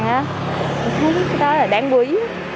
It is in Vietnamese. cái đó là đáng quý